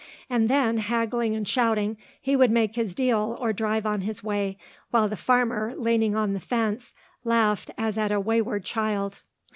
And then haggling and shouting he would make his deal or drive on his way while the farmer, leaning on the fence, laughed as at a wayward child.